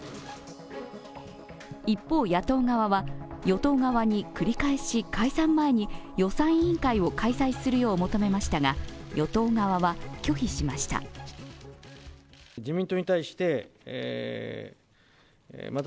一方、野党側は、与党側に繰り返し解散前に予算委員会を開催するよう求めましたが、与党側は拒否しました。